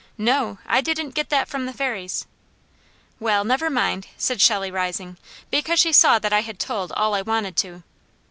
"No. I didn't get that from the Fairies." "Well, never mind!" said Shelley, rising, because she saw that I had told all I wanted to.